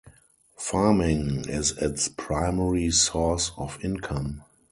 Farming is its primary source of income.